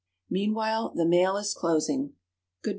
Meanwhile the mail is closing. Good by!